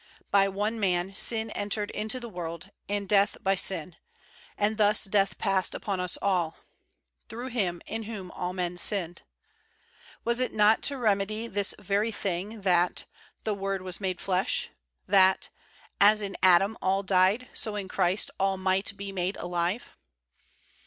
"By one man sin entered into the world, and death by sin. And thus death passed upon all" through him *' in whom all men sinned. '' Was it not to rem edy this very thing that "the Word was made flesh I" that "as in Adam all died, so in Christ all might be made alive?"